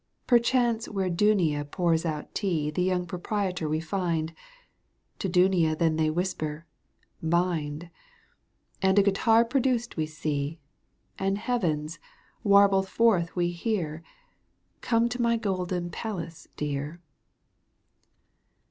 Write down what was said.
Perchance where Dunia pours out tea The young proprietor we find ; To Dunia then they whisper : Mind ! And a guitar jproduced we see. And Heavens ! warbled forth we hear : Come to my golden palace^ dear!